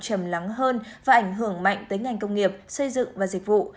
chầm lắng hơn và ảnh hưởng mạnh tới ngành công nghiệp xây dựng và dịch vụ